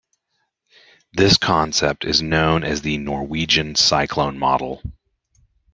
This concept is known as the Norwegian cyclone model.